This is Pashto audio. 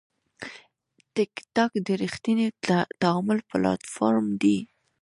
ټکټاک د ریښتیني تعامل پلاتفورم دی.